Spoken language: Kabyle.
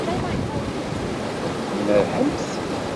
Tmerrḥemt.